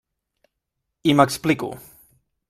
I m'explico.